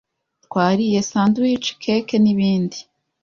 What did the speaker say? Twariye sandwiches cake nibindi.